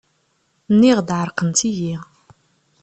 Nniɣ-d ɛerqent-iyi.